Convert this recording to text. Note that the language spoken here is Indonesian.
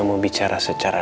mau bicara secara